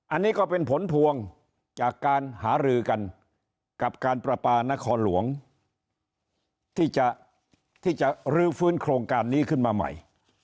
อันนี้ก็เป็นผลพวงจากการหารือกันกับการประปานครหลวงที่จะรื้อฟื้นโครงการนี้ขึ้นมาใหม่